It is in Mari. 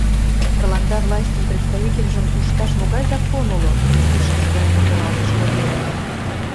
Тыланда властьын представительжым пушташ могай закон уло? — ӱшкыж гай мӱгыралтыш Комелин.